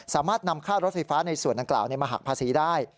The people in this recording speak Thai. สามารถนำค่ารถไฟฟ้าในส่วนดังกล่าวมาหักภาษีได้